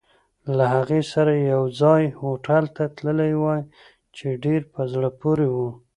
له هغې سره یوځای هوټل ته تللی وای، چې ډېر په زړه پورې وو.